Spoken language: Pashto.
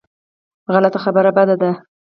غلط خبره بده ده.